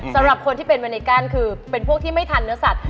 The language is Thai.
สำหรับคนที่เป็นเวเนกันคือเป็นพวกที่ไม่ทันเนื้อสัตว